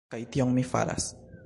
Kaj tion mi faras.